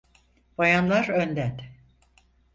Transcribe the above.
Bayanlar önden.